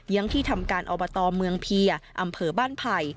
ยังที่ทำการอบตเมืองเพียอำเภอบ้านไผ่